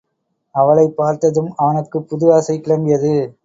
அவளைப் பார்த்ததும் அவனுக்குப் புது ஆசை கிளம்பியது.